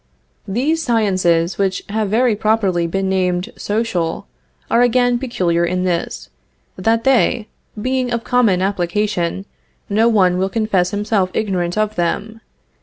These sciences, which have very properly been named social, are again peculiar in this, that they, being of common application, no one will confess himself ignorant of them.